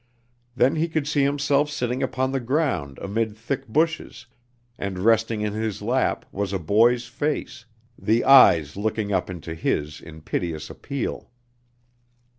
Then he could see himself sitting upon the ground amid thick bushes, and resting in his lap was a boy's face, the eyes looking up into his in piteous appeal!